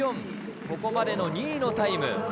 ここまでの２位のタイム。